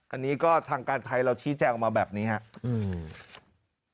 อันนี้ก็ทางการไทยเราชี้แจงออกมาแบบนี้ครับ